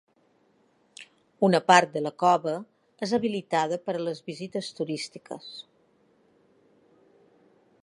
Una part de la cova és habilitada per a les visites turístiques.